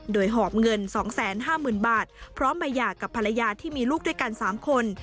โดยหอบเงิน๒๕๐๐๐บาทพร้อมมาหย่ากับภรรยาที่มีลูกด้วยกัน๓คน